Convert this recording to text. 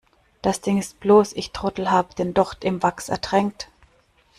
Das Ding ist bloß, ich Trottel habe den Docht im Wachs ertränkt.